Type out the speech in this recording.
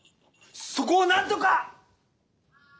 そこをなんとか！